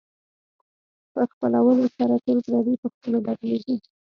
په خپلولو سره ټول پردي په خپلو بدلېږي.